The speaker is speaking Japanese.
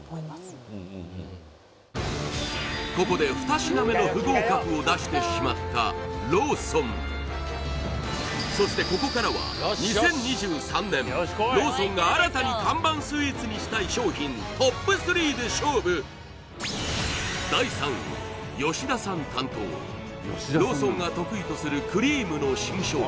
ここで２品目の不合格を出してしまったローソンそしてここからは２０２３年ローソンが新たに看板スイーツにしたい商品ＴＯＰ３で勝負第３位吉田さん担当ローソンが得意とするクリームの新商品